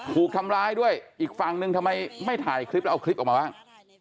ถูกทำร้ายด้วยอีกฝั่งหนึ่งทำไมไม่ถ่ายคลิปแล้วเอาคลิปออกมาบ้าง